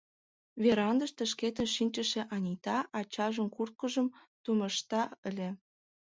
Верандыште шкетын шинчыше Анита ачажын курткыжым тумышта ыле.